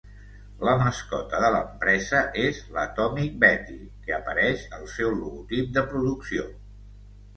La mascota de l'empresa és l'Atomic Betty, que apareix al seu logotip de producció.